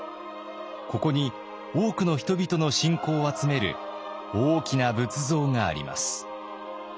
ここに多くの人々の信仰を集める大きな仏像があります。